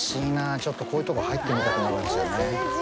ちょっとこういうとこ入ってみたくなるんですよね。